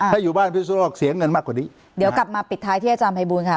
ถ้าอยู่บ้านพิสุโลกเสียเงินมากกว่านี้เดี๋ยวกลับมาปิดท้ายที่อาจารย์ภัยบูลค่ะ